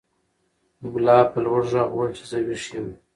ملا په لوړ غږ وویل چې زه ویښ یم.